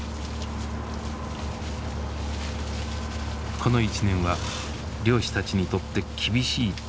この１年は漁師たちにとって厳しい年だった。